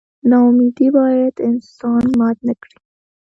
نا امیدي باید انسان مات نه کړي.